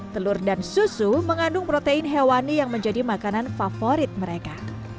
telur dan susu mengandung protein hewani yang menjadi makanan favorit mereka